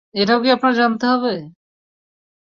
এটাও কি আপনার জানতে হবে?